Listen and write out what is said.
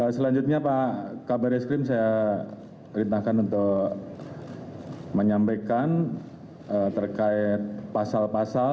selanjutnya pak kabar eskrim saya perintahkan untuk menyampaikan terkait pasal pasal